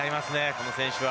この選手は。